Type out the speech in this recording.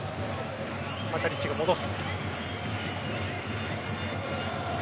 パシャリッチが戻す。